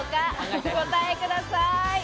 お答えください。